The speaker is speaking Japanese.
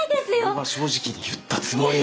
俺は正直に言ったつもり。